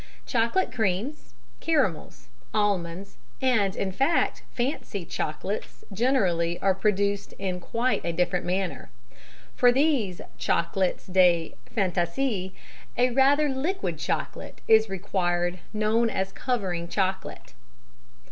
Chocolate cremes, caramels, almonds and, in fact, fancy "chocolates" generally, are produced in quite a different manner. For these chocolats de fantaisie a rather liquid chocolate is required known as covering chocolate.